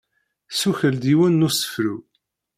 Tessuqqel-d yiwen n usefru.